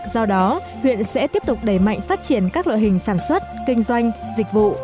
do đó huyện sẽ tiếp tục đẩy mạnh phát triển các loại hình sản xuất kinh doanh dịch vụ